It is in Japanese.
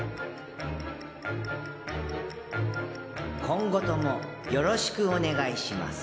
「今後ともよろしくお願いします」